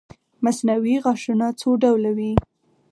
مصنوعي غاښونه څو ډوله وي